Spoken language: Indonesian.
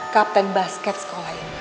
kapten basket sekolah ini